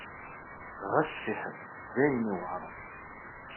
Ɣas fiḥel! D ayen yuɛren.